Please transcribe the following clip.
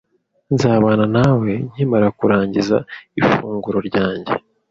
Nzabana nawe nkimara kurangiza ifunguro ryanjye